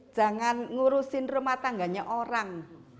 jangan urusin remah tangganya orang